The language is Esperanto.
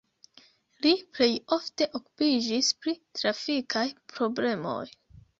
Li plej ofte okupiĝis pri trafikaj problemoj.